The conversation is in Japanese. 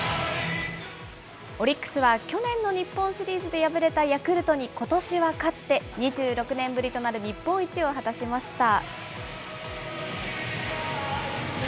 オリックスは去年の日本シリーズで敗れたヤクルトにことしは勝って、２６年ぶりとなる日本一を果たしました。